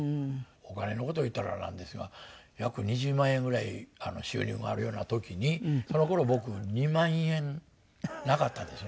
お金の事を言ったらなんですが約２０万円ぐらい収入があるような時にその頃僕２万円なかったですね。